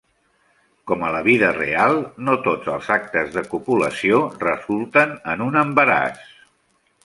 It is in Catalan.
Com a la vida real, no tots els actes de copulació resulten en un embaràs.